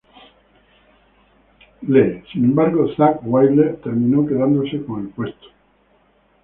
Lee, sin embargo Zakk Wylde terminó quedándose con el puesto.